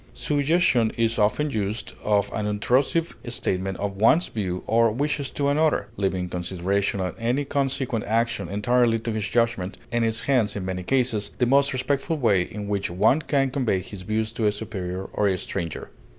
Suggestion is often used of an unobtrusive statement of one's views or wishes to another, leaving consideration and any consequent action entirely to his judgment, and is hence, in many cases, the most respectful way in which one can convey his views to a superior or a stranger.